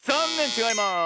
ちがいます。